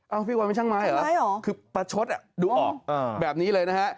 เอ้าพี่กวางเป็นช่างไม้เหรอคือประชดดูออกแบบนี้เลยนะฮะพี่กวางเป็นช่างไม้เหรอคือประชดดูออกแบบนี้เลยนะฮะ